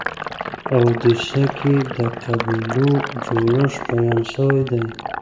په اودیسه کي د قبیلو جوړښت بیان سوی دی.